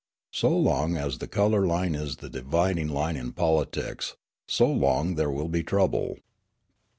So long as the colour line is the dividing line in politics, so long will there be trouble.